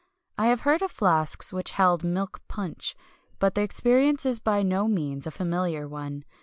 I have heard of flasks which held milk punch, but the experience is by no means a familiar one.